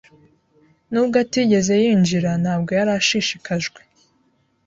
nubwo atigeze yinjira Ntabwo yari ashishikajwe